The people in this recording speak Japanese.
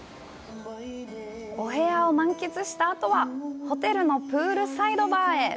お部屋を満喫したあとは、ホテルのプールサイドバーへ。